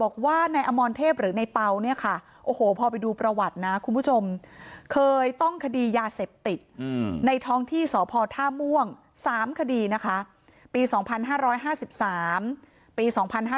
เกี่ยวกับคดีนะคะปี๒๕๕๓ปี๒๕๕๖